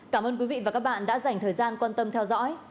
cảm ơn quý vị và các bạn đã dành thời gian quan tâm theo dõi